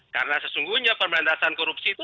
karena sesungguhnya perbandasan korupsi itu